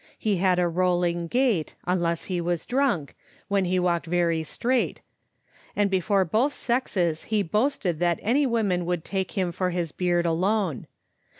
He had a rolling gait, unless he was drunk, when he walked very straight, and before both sexes he boasted that any woman would take him for his beard alone.